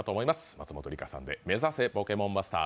松本梨香さんで「めざせポケモンマスター